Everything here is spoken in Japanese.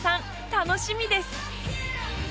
楽しみです